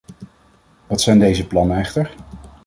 Wat zijn deze plannen echter?